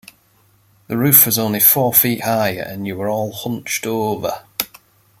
The roof was only four feet high and you were all hunched over.